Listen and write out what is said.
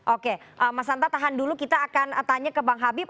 oke mas santa tahan dulu kita akan tanya ke bang habib